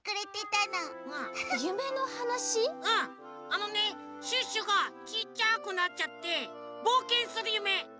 あのねシュッシュがちいちゃくなっちゃってぼうけんするゆめ！